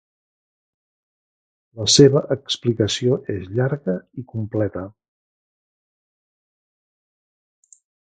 La seva explicació és llarga i completa.